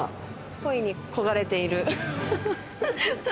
恋に焦がれている。